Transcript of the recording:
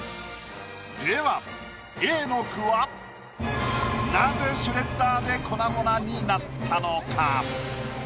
ではＡの句はなぜシュレッダーで粉々になったのか？